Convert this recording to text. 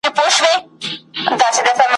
چي کرۍ ورځ یې په سرو اوښکو تیریږي `